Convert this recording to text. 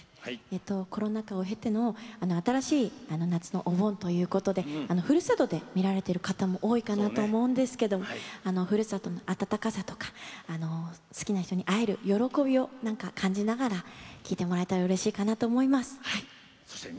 コロナ禍を経ての新しい夏のお盆ということで、ふるさとで見られてる方も多いかと思うんですがふるさとの温かさとか好きな人に会える喜びをなんか感じながら聴いてもらえたらうれしいかなと思います。